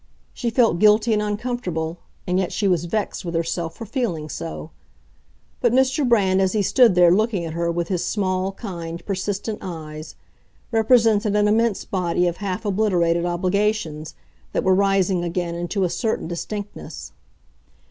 She felt guilty and uncomfortable, and yet she was vexed with herself for feeling so. But Mr. Brand, as he stood there looking at her with his small, kind, persistent eyes, represented an immense body of half obliterated obligations, that were rising again into a certain distinctness.